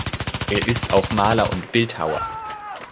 Er ist auch Maler und Bildhauer.